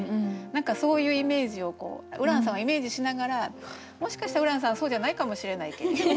何かそういうイメージをこうＵｒａＮさんをイメージしながらもしかしたらＵｒａＮさんはそうじゃないかもしれないけれど。